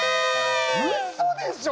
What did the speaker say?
うそでしょ！